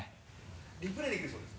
リプレイできるそうです。